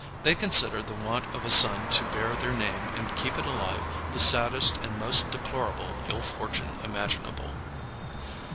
They consider the want of a son to bear their name and keep it alive the saddest and most deplorable ill fortune imaginable.